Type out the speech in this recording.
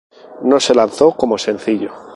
No se lanzó como sencillo.